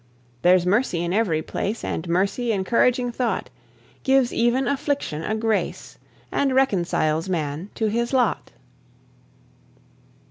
There's mercy in every place, And mercy, encouraging thought! Gives even affliction a grace, And reconciles man to his lot.